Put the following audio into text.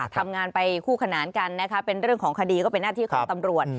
ทำงานไปคู่ขนานกันนะคะเป็นเรื่องของคดีก็เป็นหน้าที่ของตำรวจ